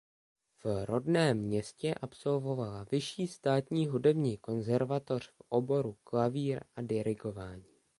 V rodném městě absolvovala Vyšší státní hudební konzervatoř v oboru klavír a dirigování.